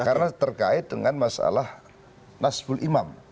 karena terkait dengan masalah nasbul imam